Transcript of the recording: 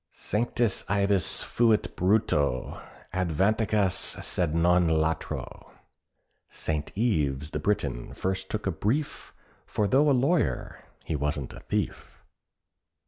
Sanctus Ivus fuit Brito, advocatus sed non latro. "Saint Ives the Briton first took a brief, For though a lawyer he wasn't a thief."